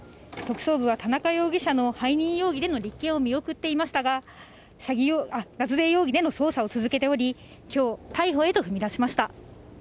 特捜部は田中容疑者の背任容疑での立件を見送っていましたが、脱税容疑での捜査を続けており、きょう、逮捕へと踏み出しました。